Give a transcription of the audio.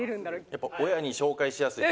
やっぱ親に紹介しやすい。